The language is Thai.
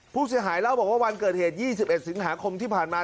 ผู้เสียหายเล่าบอกว่าวันเกิดเหตุ๒๑สิงหาคมที่ผ่านมา